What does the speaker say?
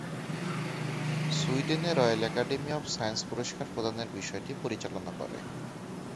সুইডেনের Royal Academy of Science পুরস্কার প্রদানের বিষয়টি পরিচালনা করে।